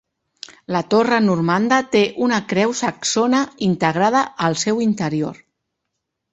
La torre normanda té una creu saxona integrada al seu interior.